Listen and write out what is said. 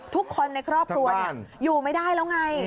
ทุกคนในครอบครัวอยู่ไม่ได้แล้วไง